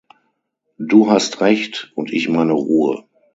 Du hast Recht, und ich meine Ruhe.